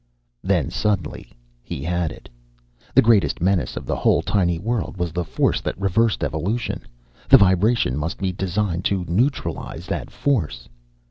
Then, suddenly, he had it. The greatest menace of the whole tiny world was the force that reversed evolution the vibration must be designed to neutralize that force!